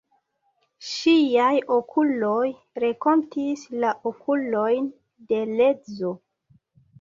Ŝiaj okuloj renkontis la okulojn de l' edzo.